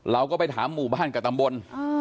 เราก็ไปถามหมู่บ้านกับตำบล